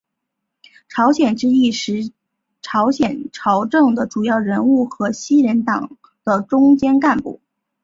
朝鲜之役时朝鲜朝政的主要人物和西人党的中坚干部。